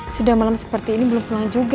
sudah malam seperti ini belum pulang juga